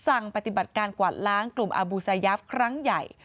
สั่งปฏิบัติการกวาดล้างกลุ่มอาบูซายาฟครั้งใหญ่